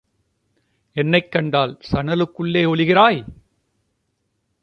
என்னைக் கண்டால் சணலுக்குள்ளே ஒளிக்கிறாய்?